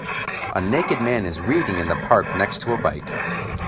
A naked man is reading in the park next to a bike.